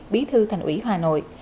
bí thư thành ủy hà nội